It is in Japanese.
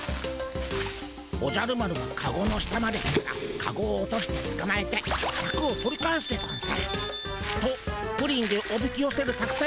おじゃる丸がカゴの下まで来たらカゴを落としてつかまえてシャクを取り返すでゴンス。とプリンでおびきよせる作せんだったでゴンスが。